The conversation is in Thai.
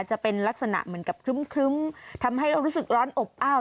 จะเป็นลักษณะเหมือนกับครึ้มทำให้เรารู้สึกร้อนอบอ้าว